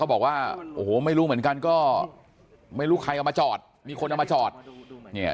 บอกว่าโอ้โหไม่รู้เหมือนกันก็ไม่รู้ใครเอามาจอดมีคนเอามาจอดเนี่ย